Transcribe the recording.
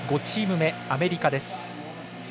５チーム目アメリカです。